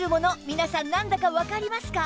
皆さんなんだかわかりますか？